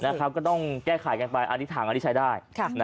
นั่นคือนะครับก็ต้องแก้ไขกันไปอันนี้ถังอันนี้ใช้ได้ค่ะ